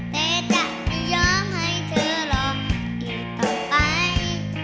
แต่จะไม่ยอมให้เธอหรอกอีกต่อไป